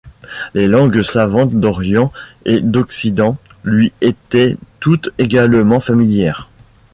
Les langues savantes d’Orient et d’Occident lui étaient toutes également familières.